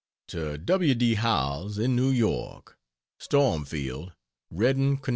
To W. D. Howells, in New York: STORMFIELD, REDDING, CONN.